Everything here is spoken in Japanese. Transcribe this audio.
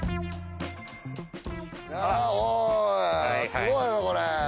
すごいよこれ。